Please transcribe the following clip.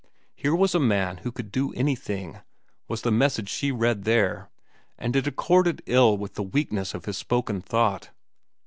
Here was a man who could do anything, was the message she read there, and it accorded ill with the weakness of his spoken thought.